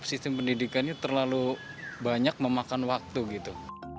sistem pendidikannya terlalu banyak memakan waktu gitu